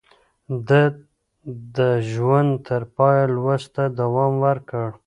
ده د ژوند تر پايه لوست ته دوام ورکړ.